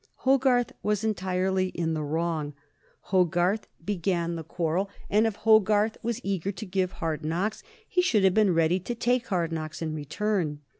Hogarth was entirely in the wrong. Hogarth began the quarrel; and if Hogarth was eager to give hard knocks he should have been ready to take hard knocks in return.